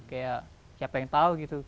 kayak siapa yang tahu gitu